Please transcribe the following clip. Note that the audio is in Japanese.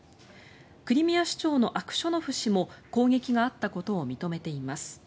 クリミア市長のアクショーノフ氏も攻撃があったことを認めています。